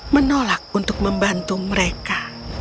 menolak untuk membantu mereka